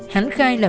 hắn khai là